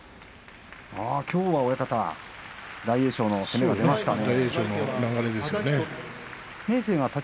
きょうは大栄翔の攻めが出ましたね。